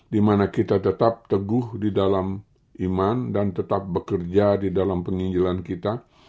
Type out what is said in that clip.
dimana kita tetap teguh di dalam iman dan tetap bekerja di dalam penginjilan kita